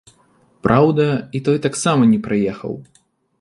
Праўда, і той таксама не прыехаў.